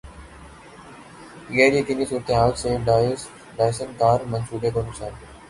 غیریقینی صورتحال سے Datsun car منصوبے کو نقصان